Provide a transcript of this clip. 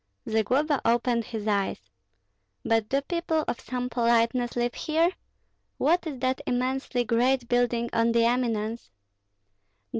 Zagloba opened his eyes. "But do people of some politeness live here? What is that immensely great building on the eminence?"